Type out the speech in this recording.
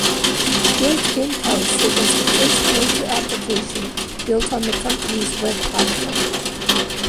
Built in-house, it was the first major application built on the company's Web platform.